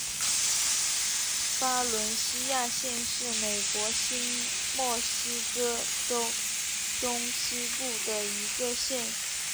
巴伦西亚县是美国新墨西哥州中西部的一个县。